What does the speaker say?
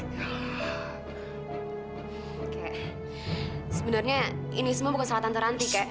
kakek sebenarnya ini semua bukan salah tante ranti kakek